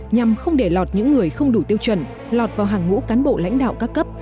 nhằm không để lọt những người không đủ tiêu chuẩn lọt vào hàng ngũ cán bộ lãnh đạo các cấp